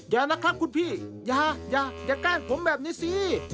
อย่านะครับคุณพี่อย่าแกล้งผมแบบนี้สิ